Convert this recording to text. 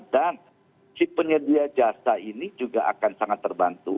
dan si penyedia jasa ini juga akan sangat terbantu